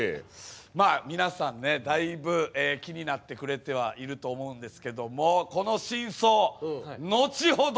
まあ皆さんねだいぶ気になってくれてはいると思うんですけどもこの真相後ほど！